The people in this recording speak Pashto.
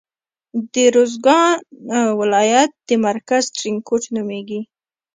د روزګان ولایت مرکز ترینکوټ نومیږي.